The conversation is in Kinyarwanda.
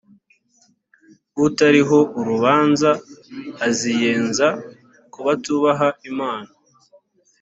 utariho urubanza aziyenza ku batubaha imana